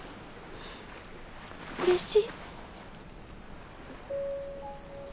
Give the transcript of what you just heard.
うれしい。